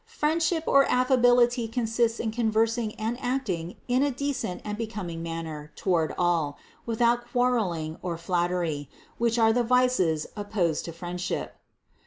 Friendship or affability consists in conversing and acting in a decent and becoming manner toward all, with out quarreling or flattery, which are the vices opposed to friendship.